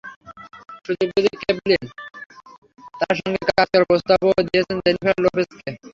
সুযোগ বুঝে কেলভিন তাঁর সঙ্গে কাজ করার প্রস্তাবও দিয়েছেন জেনিফার লোপেজকে।